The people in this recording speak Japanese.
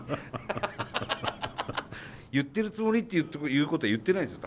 言ってるつもりっていうことは言ってないんですよ